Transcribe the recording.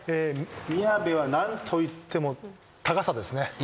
宮部は何といっても高さですね。